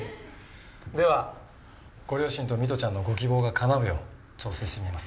ではご両親と美都ちゃんのご希望がかなうよう調整してみます。